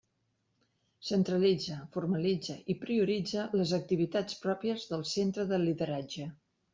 Centralitza, formalitza i prioritza les activitats pròpies del Centre de Lideratge.